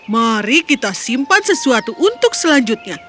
mari kita simpan sesuatu untuk selanjutnya